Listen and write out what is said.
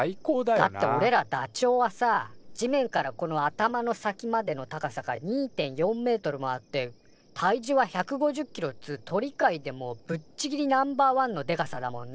だっておれらダチョウはさ地面からこの頭の先までの高さが２．４メートルもあって体重は１５０キロっつう鳥界でもぶっちぎりナンバーワンのでかさだもんな。